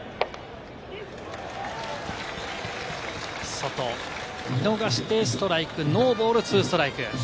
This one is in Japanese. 外を見逃してストライク、ノーボール２ストライク。